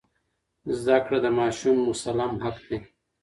زده کړه د ماشوم مسلم حق دی.